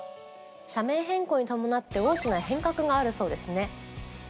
社名変更に伴って大きな変革があるそうですね。